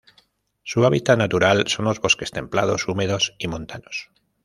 Su hábitat natural son los bosques templados, húmedos y montanos.